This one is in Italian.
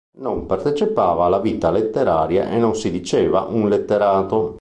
Non partecipava alla vita letteraria e non si diceva un letterato.